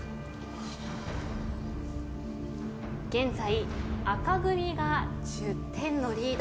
現在赤組が１０点のリード。